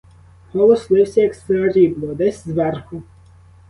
Голос лився, як срібло, десь зверху.